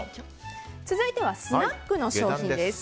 続いてはスナックの商品です。